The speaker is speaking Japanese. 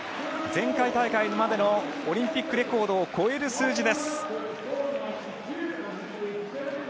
前回大会までのオリンピックレコードを超える数字です。